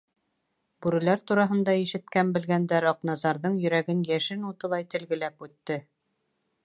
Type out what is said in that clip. Бүреләр тураһында ишеткән-белгәндәр Аҡназарҙың йөрәген йәшен утылай телгеләп үтте...